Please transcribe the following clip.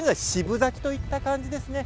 咲きといった感じですね。